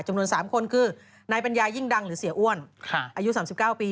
จำนวน๓คนคือนายปัญญายิ่งดังหรือเสียอ้วนอายุ๓๙ปี